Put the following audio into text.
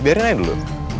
biarin aja dulu